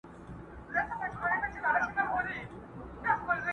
تخت که هر څونه وي لوی نه تقسیمیږي!